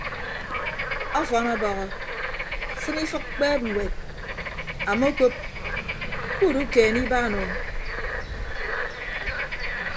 Ọfọn ọbọhọ sịn ifịk kpeeb ñwed amokop kuudukeene ibaan o.